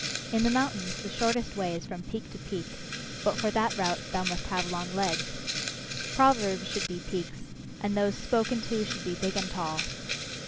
In the mountains the shortest way is from peak to peak, but for that route thou must have long legs. Proverbs should be peaks, and those spoken to should be big and tall.